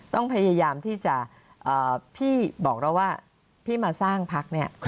ต้องพยายามที่จะพี่บอกเราว่าพี่มาสร้างพักเนี่ย